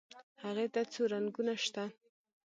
هغې ته څو رنګونه شته.